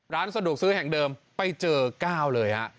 ร้านสะดวกซื้อแห่งเดิมไปเจอ๙เลยฮะ